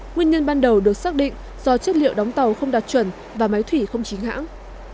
nguyên nhân ban đầu được xác định do chất liệu đóng tàu không đạt chuẩn và máy thủy không chính hãng